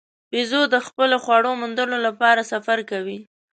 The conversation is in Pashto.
بیزو د خپلې خواړو موندلو لپاره سفر کوي.